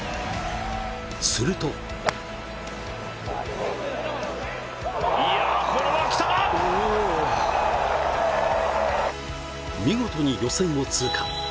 すると見事に予選を通過。